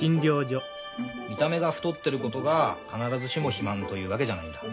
見た目が太ってることが必ずしも肥満というわけじゃないんだ。